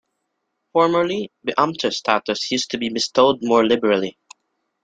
Formerly, Beamter status used to be bestowed more liberally.